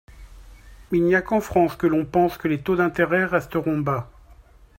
Il n’y a qu’en France que l’on pense que les taux d’intérêt resteront bas.